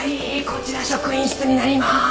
こちら職員室になります。